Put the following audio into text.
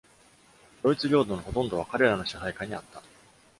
ドイツ領土のほとんどは彼らの支配下にあった。